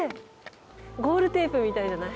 ゴールテープみたいじゃない？